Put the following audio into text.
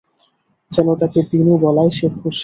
যেন তাকে দিনু বলায় সে খুশি।